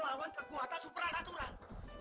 lagian aku sudah lama tidak